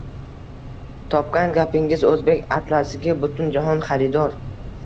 Topgan gapingiz — o‘zbek atlasiga butun jahon xaridor